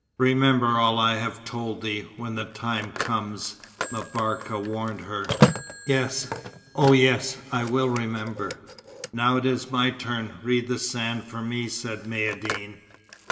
"Remember all I have told thee, when the time comes," M'Barka warned her. "Yes oh yes, I will remember." "Now it is my turn. Read the sand for me," said Maïeddine.